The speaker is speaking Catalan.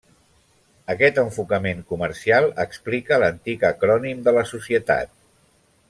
Aquest enfocament comercial explica l'antic acrònim de la societat.